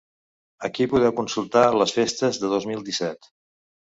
Aquí podeu consultar les festes del dos mil disset.